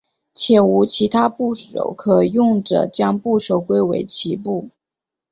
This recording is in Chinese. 且无其他部首可用者将部首归为齐部。